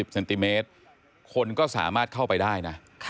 เซนติเมตรคนก็สามารถเข้าไปได้นะ